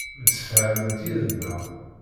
Msefhament yid-neɣ.